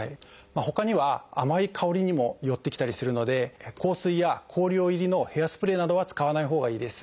ほかには甘い香りにも寄ってきたりするので香水や香料入りのヘアスプレーなどは使わないほうがいいです。